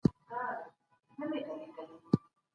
څنګه هېوادونه د خپلو پولو ساتنه کوي؟